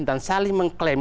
dan saling mengklaim